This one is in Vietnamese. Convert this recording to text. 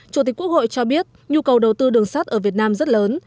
chủ tịch quốc hội cho biết nhu cầu đầu tư đường sắt ở việt nam rất lớn